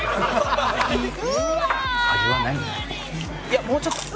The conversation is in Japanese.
「いやもうちょっと」